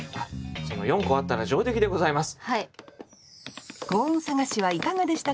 ４個あったら上出来でございます。